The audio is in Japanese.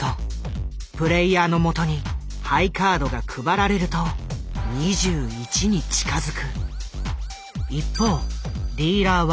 プレイヤーのもとにハイカードが配られると２１に近づく。